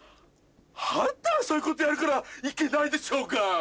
あんたがそういうことやるからいけないんでしょうが。